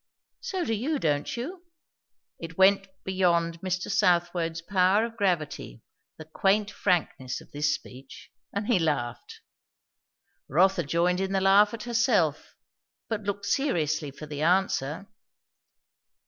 So do you, don't you?" It went beyond Mr. Southwode's power of gravity, the quaint frankness of this speech; and he laughed. Rotha joined in the laugh at herself, but looked seriously for the answer.